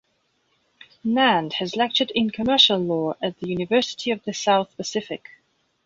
Nand has lectured in Commercial Law at the University of the South Pacific.